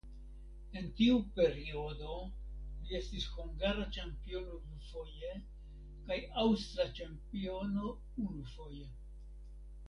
En tiu periodo li estis hungara ĉampiono dufoje kaj aŭstra ĉampiono unufoje.